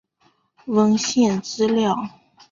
文献资料